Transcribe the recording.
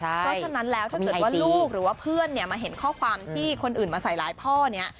เพราะฉะนั้นแล้วถ้าเกิดว่าลูกหรือว่าเพื่อนเนี่ยมาเห็นข้อความที่คนอื่นมาใส่ร้ายพ่อเนี่ย